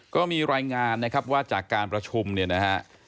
ก็มีรายงานนะครับว่าจากการประชุมเนี่ยนะฮะ